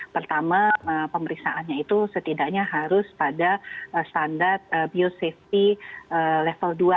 pertama pemeriksaannya itu setidaknya harus pada standar biosafety level dua